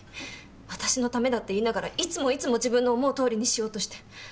私のためだって言いながらいつもいつも自分の思うとおりにしようとして。